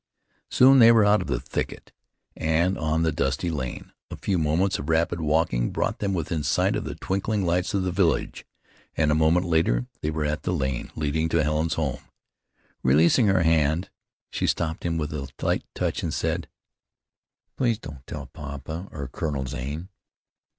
Soon they were out of the thicket, and on the dusty lane. A few moments of rapid walking brought them within sight of the twinkling lights of the village, and a moment later they were at the lane leading to Helen's home. Releasing her hand, she stopped him with a light touch and said: "Please don't tell papa or Colonel Zane."